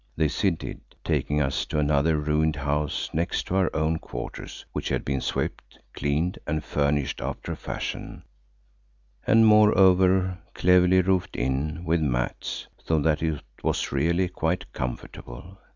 This he did, taking us to another ruined house next to our own quarters which had been swept, cleaned and furnished after a fashion, and moreover cleverly roofed in with mats, so that it was really quite comfortable.